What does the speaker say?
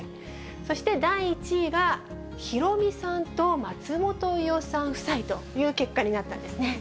そして第１位が、ヒロミさんと松本伊代さん夫妻という結果になったんですね。